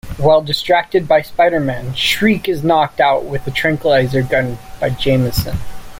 While distracted by Spider-Man, Shriek is knocked out with a tranquilizer gun by Jameson.